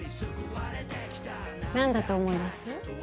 何だと思います？